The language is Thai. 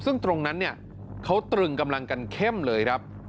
ซึ่งตรงนั้นเนี่ยเขาตรึงกำลังกันเข้มเลยครับ